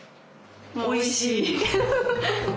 おいしい！